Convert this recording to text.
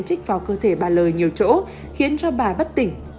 trích vào cơ thể bà l nhiều chỗ khiến cho bà bất tỉnh